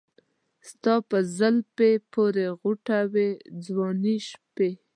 ستا په زلفې پورې غوټه وې ځواني شپې